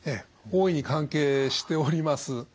大いに関係しております。